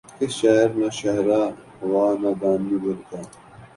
کس شہر نہ شہرہ ہوا نادانئ دل کا